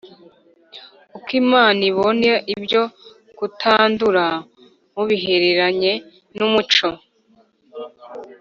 Uko Imana ibona ibyo kutandura mu bihereranye n umuco